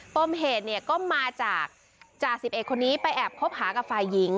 ปมเหตุเนี่ยก็มาจากจ่าสิบเอกคนนี้ไปแอบคบหากับฝ่ายหญิง